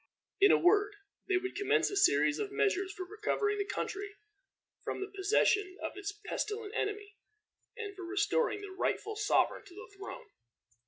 In a word, they would commence a series of measures for recovering the country from the possession of its pestilent enemy, and for restoring the rightful sovereign to the throne.